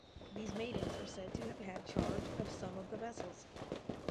These maidens are said to have had charge of some of the vessels.